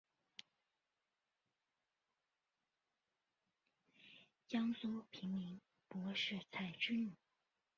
江苏平民柏士彩之女。